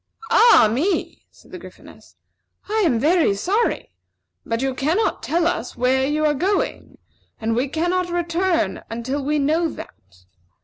"Ah, me!" said the Gryphoness. "I am very sorry; but you cannot tell us where you are going, and we cannot return until we know that.